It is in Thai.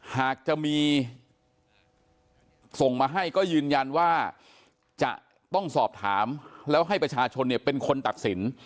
หากจะมีส่งมาให้ก็ยืนยันว่าจะต้องสอบถามแล้วให้ประชาชนเนี่ยเป็นคนตัดสิน